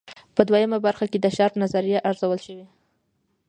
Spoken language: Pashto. په دویمه برخه کې د شارپ نظریه ارزول شوې.